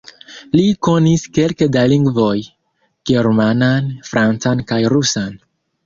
Li konis kelke da lingvoj: germanan, francan kaj rusan.